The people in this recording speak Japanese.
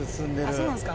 そうなんですか。